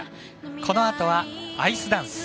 このあとは、アイスダンス。